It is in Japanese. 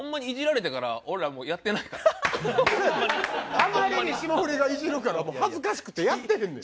あまりに霜降りがイジるから恥ずかしくてやってへんねん。